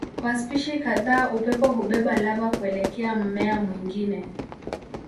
Kwa spishi kadhaa upepo hubeba lava kuelekea mmea mwingine.